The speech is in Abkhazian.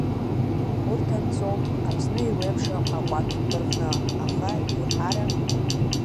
Урҭ анҵоуп Аԥсны еиуеиԥшым акәакьқәа рҟны, аха еиҳарак…